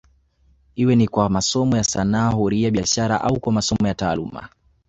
Iwe ni kwa masomo ya sanaa huria biashara au kwa masomo ya taaluma